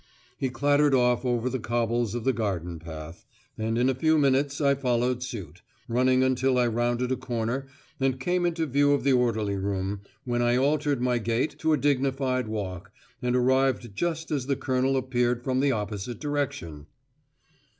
He clattered off over the cobbles of the garden path, and in a few minutes I followed suit, running until I rounded a corner and came into view of the orderly room, when I altered my gait to a dignified walk and arrived just as the Colonel appeared from the opposite direction.